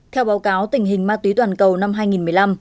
theo báo cáo tình hình ma túy toàn cầu năm hai nghìn một mươi năm